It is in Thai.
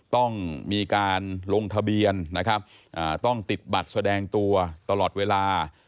ต้องมีการลงทะเบียนนะครับต้องติดบัตรแสดงตัวตลอดเวลา